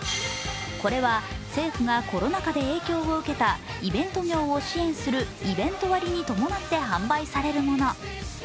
これは、政府がコロナ禍で影響を受けたイベント業を支援するイベント割に伴って販売されるもの。